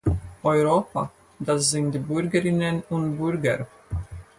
Europa, das sind die Bürgerinnen und Bürger.